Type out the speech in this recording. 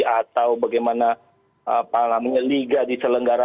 atau bagaimana menyelidikannya